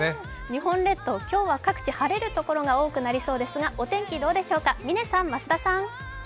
日本列島、今日は各地晴れるところが多くなりそうですがお天気はどうでしょうか。